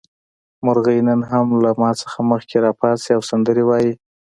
مرغۍ نن هم له ما نه مخکې راپاڅي او سندرې وايي.